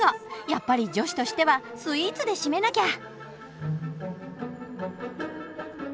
やっぱり女子としてはスイーツで締めなきゃ！